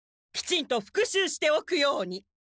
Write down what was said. きちんと復習しておくように。